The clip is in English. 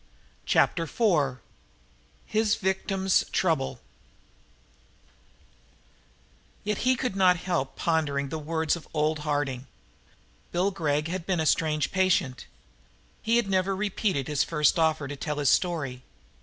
Chapter Four His Victim's Trouble Yet he could not help pondering on the words of old Harding. Bill Gregg had been a strange patient. He had never repeated his first offer to tell his story.